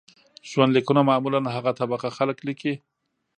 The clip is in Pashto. ژوند لیکونه معمولاً هغه طبقه خلک لیکي.